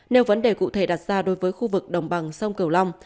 nếu vấn đề cụ thể đặt ra đối với khu vực đồng bằng sông cầu long